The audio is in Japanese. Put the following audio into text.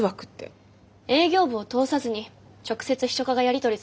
営業部を通さずに直接秘書課がやり取りする取引先のことです。